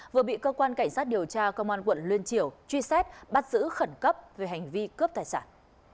vừa bị cơ quan cảnh sát điều tra công an quận liên triểu truy xét bắt giữ khẩn cấp về hành vi cướp tài sản